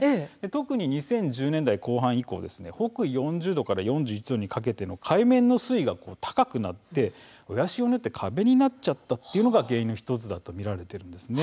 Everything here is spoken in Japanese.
特に２０１０年代後半以降北緯４０度から４１度にかけて海面の水位が高くなり親潮にとって壁になったことが原因の１つだと見られています。